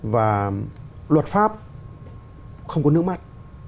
và luật pháp không có nước mắt